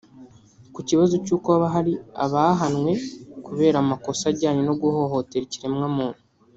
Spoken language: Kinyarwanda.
Ku kibazo cy’uko haba hari abahanwe kubera amakosa ajyanye no guhohotera ikiremwamuntu